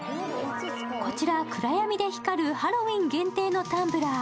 こちら暗闇で光るハロウィーン限定のタンブラー。